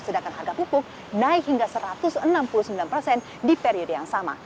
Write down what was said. sedangkan harga pupuk naik hingga satu ratus enam puluh sembilan persen di periode yang sama